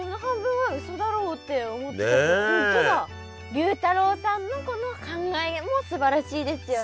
龍太郎さんのこの考えもすばらしいですよね。